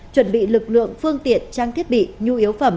chuẩn bị lực lượng phương tiện trang thiết bị nhu yếu phẩm